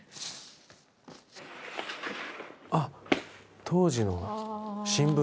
あっ当時の新聞？